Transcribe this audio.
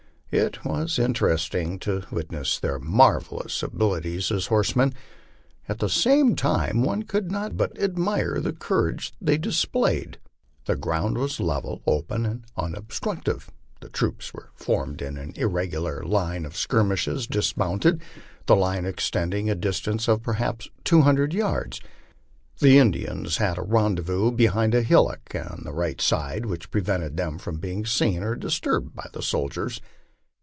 It was interesting to witness their marvellous abilities as horsemen; at the same time one could not but admire the courage they displayed. The ground was level, open, and unobstructed; the troops were formed in an irregular line of skirmishers dismounted, the line extending a distance of perhaps two hundred yards. The Indians had a ren dezvous behind a hillock on the right, which prevented them from being seen or disturbed by the soldiers.